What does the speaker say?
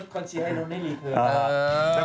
คนเชียร์ให้รุ้นให้รีเทิร์ม